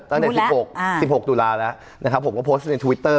ตั้งแต่๑๖๑๖ตุลาแล้วนะครับผมก็โพสต์ในทวิตเตอร์